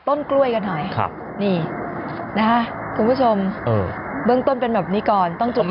ต้นกล้วยกันหน่อยครับนี่นะฮะคุณผู้ชมเบื้องต้นเป็นแบบนี้ก่อนต้องจบ